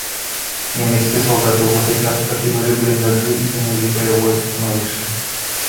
Нямецкія салдаты ў гэты час пакінулі бліндажы і занялі баявое становішча.